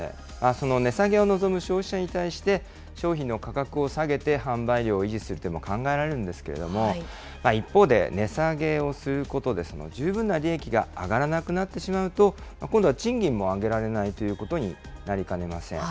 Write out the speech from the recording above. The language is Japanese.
その値下げを望む消費者に対して、商品の価格を下げて販売量を維持するというのも考えられるんですけれども、一方で、値下げをすることで、十分な利益が上がらなくなってしまうと、今度は賃金も上げられないということになりかねません。